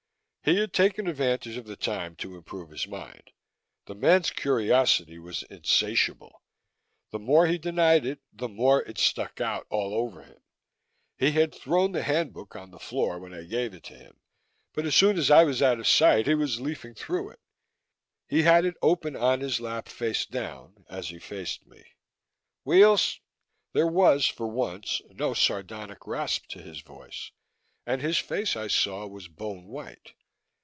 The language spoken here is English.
He had taken advantage of the time to improve his mind. The man's curiosity was insatiable; the more he denied it, the more it stuck out all over him. He had thrown the Handbook on the floor when I gave it to him, but as soon as I was out of sight he was leafing through it. He had it open on his lap, face down, as he faced me. "Weels." There was, for once, no sardonic rasp to his voice. And his face, I saw, was bone white.